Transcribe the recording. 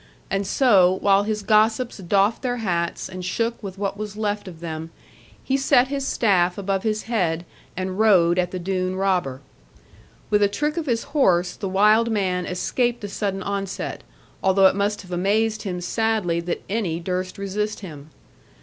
And so, while his gossips doffed their hats, and shook with what was left of them, he set his staff above his head, and rode at the Doone robber. With a trick of his horse, the wild man escaped the sudden onset, although it must have amazed him sadly that any durst resist him.